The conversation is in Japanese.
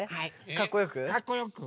かっこよく。